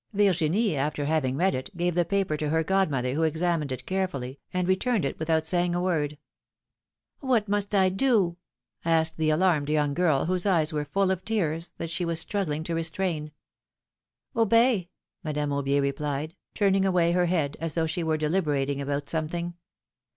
Virginie, after having read it, gave the paper to her god mother, who examined it carefully, and returned it with out saying a word. '^What must I do?'^ asked the alarmed young girl, w^hose eyes were full of tears, that she was struggling to restrain. '^Obey,'^ Madame Aubier replied, turning away her head, as though she were deliberating about something.